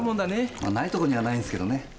まないとこにはないんすけどね。